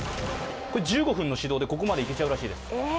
１５分の指導でここまでいけちゃうらしいです。